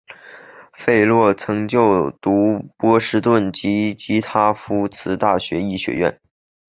费洛比曾就读波士顿的及塔夫茨大学医学院。